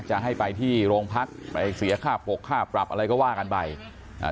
จะให้ไปที่โรงพักไปเสียค่าปกค่าปรับอะไรก็ว่ากันไปอ่า